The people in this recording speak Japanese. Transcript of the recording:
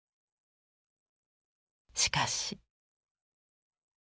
しかし。